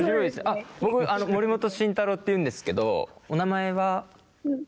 あっ僕森本慎太郎っていうんですけどお名前は？